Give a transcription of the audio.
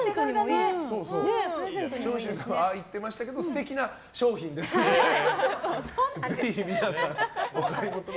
長州さんはああ言ってましたけど素敵な商品ですので。